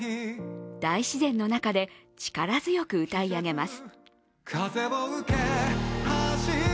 大自然の中で、力強く歌い上げます